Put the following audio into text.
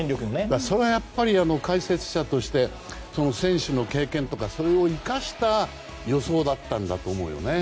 それは解説者として選手の経験とかそれを生かした予想だったんだと思うよね。